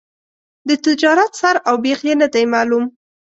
د تجارت سر او بېخ یې نه دي معلوم.